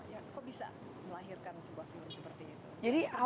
ya kok bisa melahirkan sebuah film seperti itu